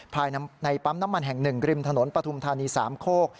ภายในปั๊มน้ำมันแห่ง๑ริมถนนปฐุมธานีสามโคก